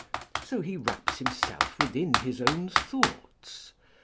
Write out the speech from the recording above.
So he wraps himself within his own thoughts.